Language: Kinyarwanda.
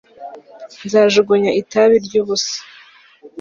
nzajugunya itabi ryubusa